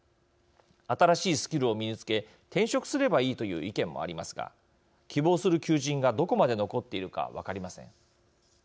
新しいスキルを身につけ転職すればいいという意見もありますが希望する求人がどこまで残っているか分かりません。